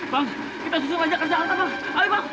bang kita susul aja kerjaan bang ayo bang